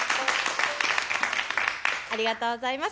ありがとうございます。